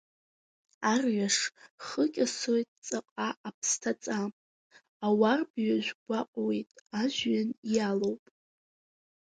Арҩаш хыкьасоит ҵаҟа аԥсҭаҵа, ауарбҩажәгәаҟуеит, ажәҩан иалоуп…